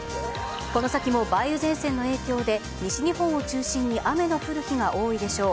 この先も梅雨前線の影響で西日本を中心に雨の降る日が多いでしょう。